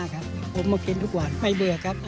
ครับผมมากินทุกวันไม่เบื่อครับ